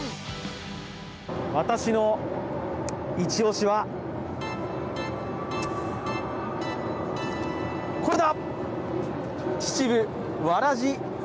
私のイチオシはこれだ！